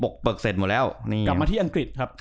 กลับมาที่อังกฤษครับ